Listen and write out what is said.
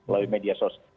lalu media sosial